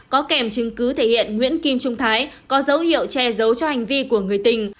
có kèm chứng cứ thể hiện nguyễn kim trung thái có dấu hiệu che giấu cho hành vi của người tình